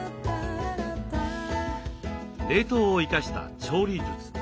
冷凍を生かした調理術。